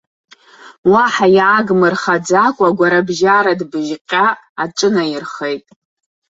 Уаҳа иаагмырхаӡакәа агәарабжьара дбыжьҟьа аҿынаирхеит.